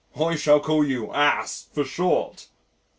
"I shall call you 'ass' for short."